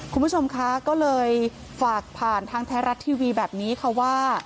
คุณผู้ชมคะก็เลยฝากผ่านทางไทยรัฐทีวีแบบนี้ค่ะว่า